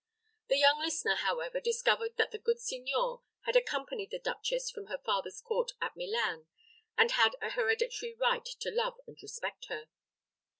The young listener, however, discovered that the good signor had accompanied the duchess from her father's court at Milan, and had a hereditary right to love and respect her.